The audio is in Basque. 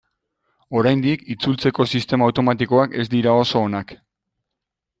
Oraindik itzultzeko sistema automatikoak ez dira oso onak.